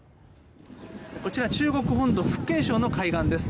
こちら中国本土、福建省の海岸です。